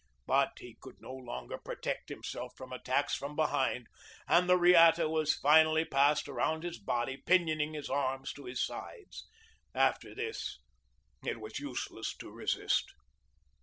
But he could no longer protect himself from attacks from behind, and the riata was finally passed around his body, pinioning his arms to his sides. After this it was useless to resist.